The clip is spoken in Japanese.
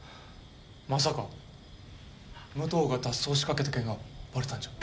まさか武藤が脱走しかけた件がバレたんじゃ？